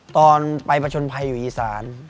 ตอนไปประชนภัยอยู่อีสาน